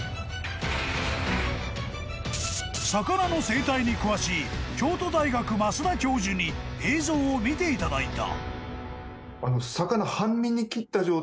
［魚の生態に詳しい京都大学益田教授に映像を見ていただいた］